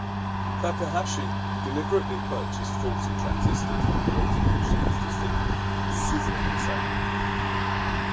Kakehashi deliberately purchased faulty transistors that created the machine's distinctive "sizzling" sound.